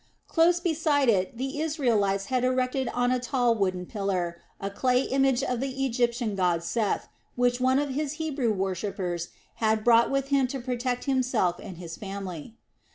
Close beside it the Israelites had erected on a tall wooden pillar a clay image of the Egyptian god Seth, which one of his Hebrew worshippers had brought with him to protect himself and his family.